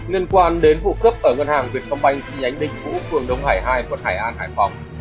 liên quan đến vụ cướp ở ngân hàng việt tông banh trị nhánh địch vũ phường đông hải hai quận hải an hải phòng